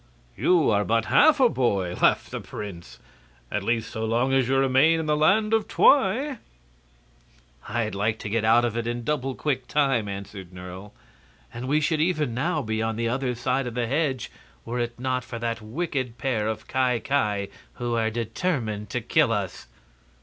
"You are but half a boy!" laughed the prince "at least so long as you remain in the Land of Twi." "I'd like to get out of it in double quick time," answered Nerle; "and we should even now be on the other side of the hedge were it not for that wicked pair of Ki Ki, who are determined to kill us."